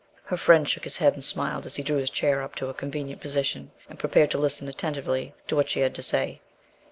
Her friend shook his head and smiled as he drew his chair up to a convenient position and prepared to listen attentively to what she had to say.